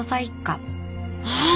ああ